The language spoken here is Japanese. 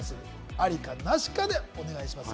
ありかなしかでお願いします。